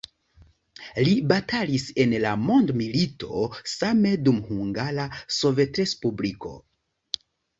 Li batalis en la mondomilito, same dum Hungara Sovetrespubliko.